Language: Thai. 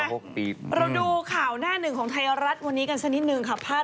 เราดูข่าวหน้าหนึ่งของไทยรัฐวันนี้กันชนิดนึง